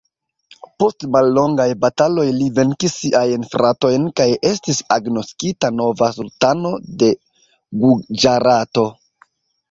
Post mallongaj bataloj li venkis siajn fratojn kaj estis agnoskita nova sultano de Guĝarato.